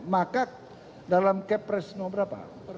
maka dalam cap presno berapa